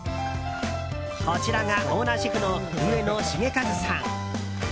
こちらがオーナーシェフの上野茂和さん。